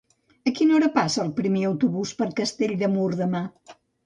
A quina hora passa el primer autobús per Castell de Mur demà?